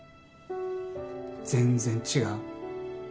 全然違う。